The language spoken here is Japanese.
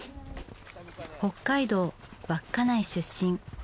北海道稚内出身。